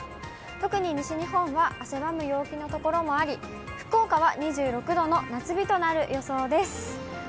特に西日本は汗ばむ陽気の所もあり、福岡は２６度の夏日となる予想です。